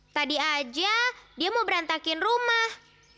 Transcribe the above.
tadi aja dia mau berantakin rumah